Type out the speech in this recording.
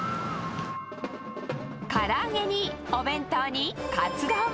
から揚げにお弁当にカツ丼。